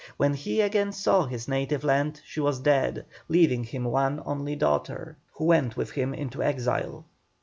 When he again saw his native land she was dead, leaving him one only daughter, who went with him into exile.